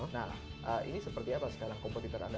nah ini seperti apa sekarang kompetitor anda